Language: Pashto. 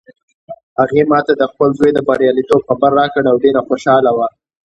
هغې ما ته د خپل زوی د بریالیتوب خبر راکړ او ډېره خوشحاله وه